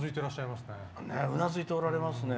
うなずいておられますね。